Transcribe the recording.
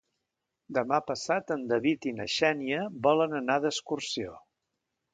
Demà passat en David i na Xènia volen anar d'excursió.